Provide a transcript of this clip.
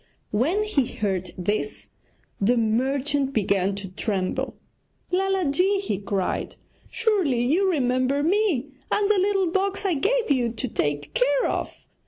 When he heard this the merchant began to tremble. 'Lala ji!' he cried, 'surely you remember me and the little box I gave you to take care of?